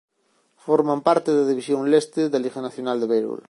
Forman parte da División Leste da Liga Nacional de béisbol.